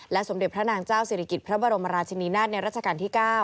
สมเด็จพระนางเจ้าศิริกิจพระบรมราชินีนาฏในราชการที่๙